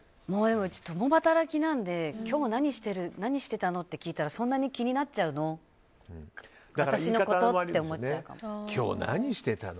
共働きなので、今日何してたのって聞かれたらそんなに気になっちゃうの？って思っちゃうかな。